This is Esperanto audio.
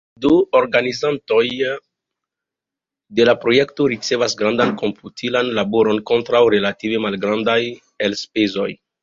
Do organizantoj de la projekto ricevas grandan komputilan laboron kontraŭ relative malgrandaj elspezoj.